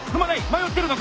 迷ってるのか！